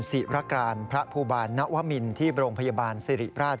ศิรการพระภูบาลนวมินที่โรงพยาบาลสิริราช